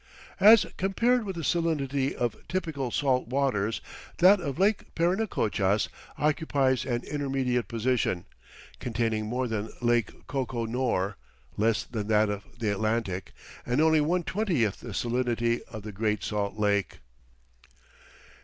As compared with the salinity of typical "salt" waters, that of Lake Parinacochas occupies an intermediate position, containing more than Lake Koko Nor, less than that of the Atlantic, and only one twentieth the salinity of the Great Salt Lake.